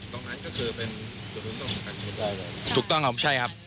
ตรงนั้นก็คือเป็นตรวจต้องขายเก่ง